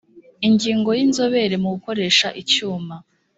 ingingo ya inzobere mu gukoresha icyuma